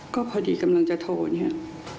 ก็พอดีกำลังจะโทรเนี่ย